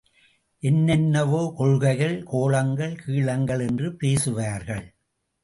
என்னென்னவோ கொள்கைகள், கோளங்கள், கீளங்கள் என்று பேசுவார்கள்.